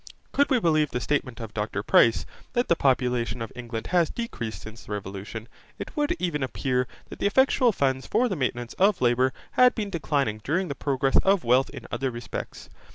Could we believe the statement of Dr Price that the population of England has decreased since the Revolution, it would even appear that the effectual funds for the maintenance of labour had been declining during the progress of wealth in other respects.